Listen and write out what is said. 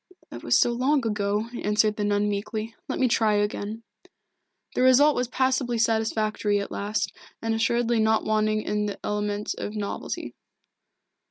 "That was so long ago," answered the nun meekly. "Let me try again." The result was passably satisfactory at last, and assuredly not wanting in the element of novelty.